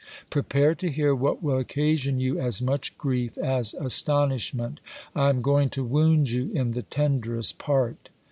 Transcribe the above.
Prepare to hear what will occasion you as much grief as astonishment. I am going to wound you in the tenderest part.